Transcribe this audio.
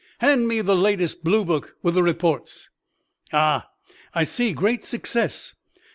"Hand me the latest bluebook, with the reports.... "Ah, I see; great success!